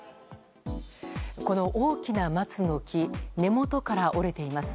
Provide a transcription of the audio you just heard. この大きな松の木根元から折れています。